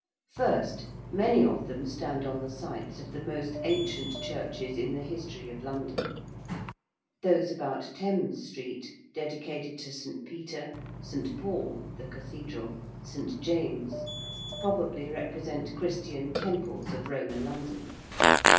First, many of them stand on the sites of the most ancient churches in the history of London. Those about Thames Street, dedicated to St. Peter, St. Paul (the Cathedral), St. James, probably represent Christian temples of Roman London.